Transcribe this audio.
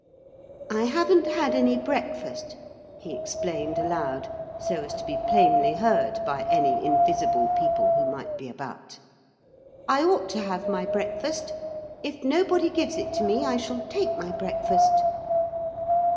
'I haven't had any breakfast,' he explained aloud, so as to be plainly heard by any invisible people who might be about. 'I ought to have my breakfast. If nobody gives it to me I shall take my breakfast.'